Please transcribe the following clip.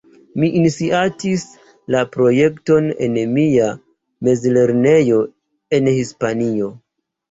Mi iniciatis la projekton en mia mezlernejo en Hispanio.